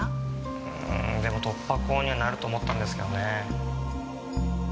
うんでも突破口にはなると思ったんですけどね。